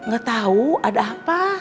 gak tau ada apa